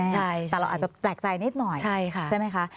แต่เราอาจจะแปลกใจนิดหน่อยใช่ไหมคะ